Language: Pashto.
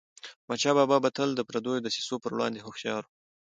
احمدشاه بابا به تل د پردیو دسیسو پر وړاندي هوښیار و.